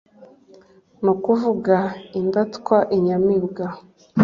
ni ukuvuga indatwainyamibwa